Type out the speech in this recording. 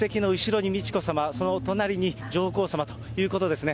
助手席の後ろに美智子さま、そのお隣に上皇さまということですね。